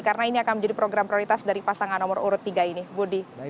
karena ini akan menjadi program prioritas dari pasangan nomor urut tiga ini budi